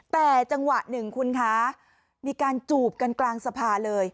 แต่จังหวะหนึ่งคุณคะมีการจูบกันกลางสภาเลย